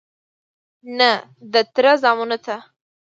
_نه، د تره زامنو ته..